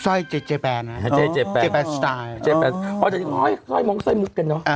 ส่วยเจเจแปนอ๋อส่วยเจเจแปนพอจะดีกว่าส่วยมองส่วยมืดกันเนอะ